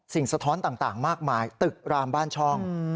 สะท้อนต่างมากมายตึกรามบ้านช่อง